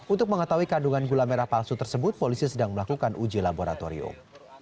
untuk mengetahui kandungan gula merah palsu tersebut polisi sedang melakukan uji laboratorium